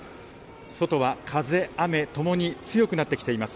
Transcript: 外は風、雨ともに強くなってきています。